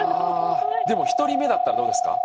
でも１人目だったらどうですか？